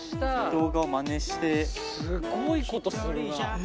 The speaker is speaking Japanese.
すごいことするなあ。